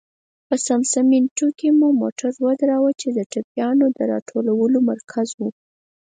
په سمسټمینټو کې مو موټر ودراوه، چې د ټپيانو د را ټولولو مرکز و.